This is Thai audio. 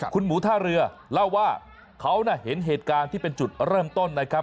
คุณหมูท่าเรือเล่าว่าเขาเห็นเหตุการณ์ที่เป็นจุดเริ่มต้นนะครับ